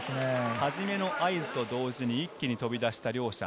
はじめの合図と同時に、一気に飛び出した両者。